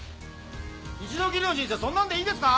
一度きりの人生そんなんでいいんですか？